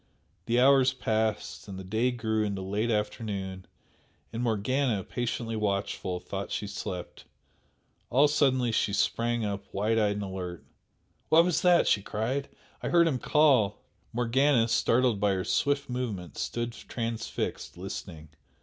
The hours passed and the day grew into late afternoon, and Morgana, patiently watchful, thought she slept. All suddenly she sprang up, wide eyed and alert. "What was that?" she cried "I heard him call!" Morgana, startled by her swift movement, stood transfixed listening.